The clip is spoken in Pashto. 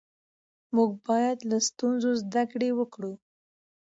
موږ باید له ستونزو زده کړه وکړو